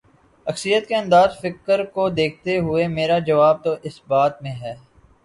اکثریت کے انداز فکر کو دیکھتے ہوئے، میرا جواب تو اثبات میں ہے۔